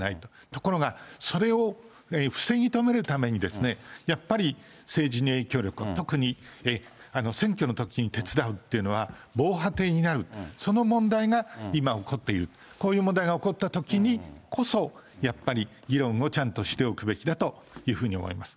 ところが、それを防ぎ止めるためにやっぱり政治の影響力、特に選挙のときに手伝うっていうのは、防波堤になる、その問題が今起こっている、こういう問題が起こったときにこそ、やっぱり議論をちゃんとしておくべきだというふうに思います。